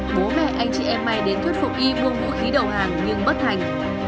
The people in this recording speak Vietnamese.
bố mẹ anh chị em may đến thuyết phục y mua vũ khí đầu hàng nhưng bất thành